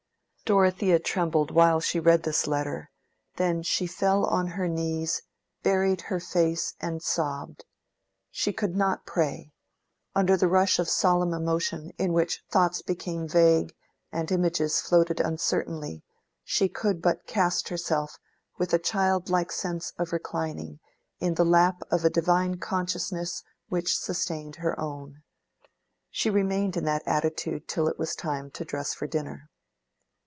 Dorothea trembled while she read this letter; then she fell on her knees, buried her face, and sobbed. She could not pray: under the rush of solemn emotion in which thoughts became vague and images floated uncertainly, she could but cast herself, with a childlike sense of reclining, in the lap of a divine consciousness which sustained her own. She remained in that attitude till it was time to dress for dinner.